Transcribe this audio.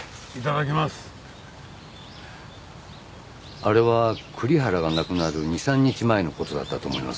あれは栗原が亡くなる２３日前の事だったと思います。